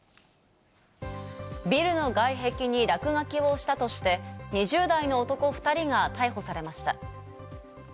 ビルの外壁に落書きをしたとして、２０代の男２人が逮捕されました。